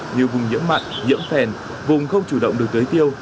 như vùng nhiễm mặn nhiễm phèn vùng không chủ động được tưới tiêu